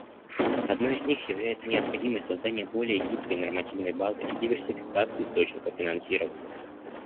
Одной из них является необходимость создания более гибкой нормативной базы и диверсификации источников финансирования.